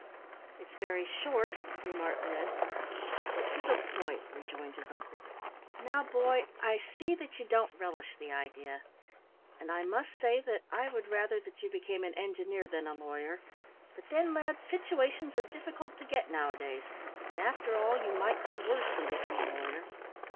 "It's very short," remarked Ned. "But to the point," rejoined his uncle. "Now, boy, I see that you don't relish the idea, and I must say that I would rather that you became an engineer than a lawyer; but then, lad, situations are difficult to get now a days, and, after all, you might do worse than become a lawyer.